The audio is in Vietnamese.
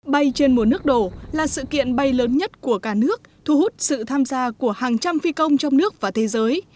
bay trên mùa nước đổ là sự kiện bay lớn nhất của cả nước thu hút sự tham gia của hàng trăm phi công trong nước và thế giới